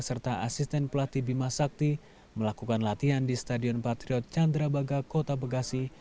serta asisten pelatih bimasakti melakukan latihan di stadion patriot chandrabaga kota bekasi